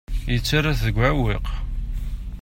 Yettarra-t deg uɛewwiq.